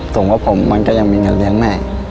สูงกว่าผมมันก็ยังมีเงินเลี้ยงแม่